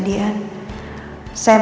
saya memang mengundang